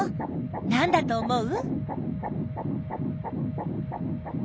なんだと思う？